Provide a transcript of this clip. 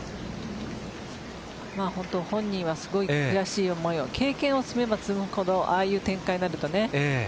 本人はすごい悔しい思いを経験を積めば積むほどああいう展開になると。